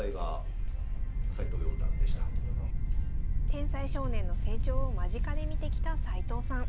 天才少年の成長を間近で見てきた齊藤さん。